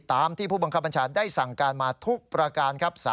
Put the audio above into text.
ตามที่ผู้บังคับบัญชาได้สั่งการมาทุกประการครับ